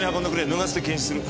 脱がせて検視する。